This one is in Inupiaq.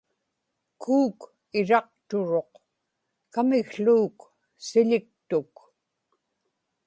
kuuk iraqturuq; kamikłuuk siḷiktuk